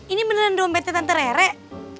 ini beneran dompetnya tante rek